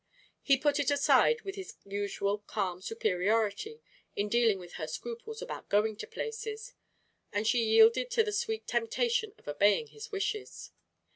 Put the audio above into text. He put it aside with his usual calm superiority in dealing with her scruples about going to places, and she yielded to the sweet temptation of obeying his wishes.